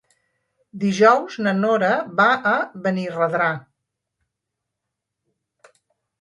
Dijous na Nora va a Benirredrà.